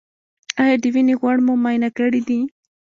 ایا د وینې غوړ مو معاینه کړي دي؟